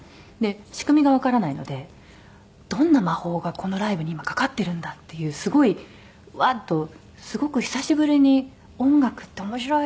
仕組みがわからないのでどんな魔法がこのライブに今かかってるんだ？っていうすごいワッとすごく久しぶりに音楽って面白い！